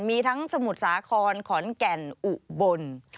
มีทั้งสมุทรสาครขอนแก่นอุบล